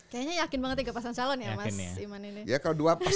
kayaknya yakin banget tiga pasang calon ya mas